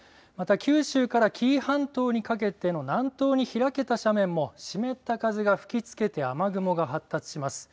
また九州から紀伊半島にかけての南東に開けた斜面も湿った風が吹きつけて雨雲が発達します。